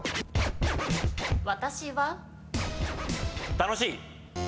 楽しい。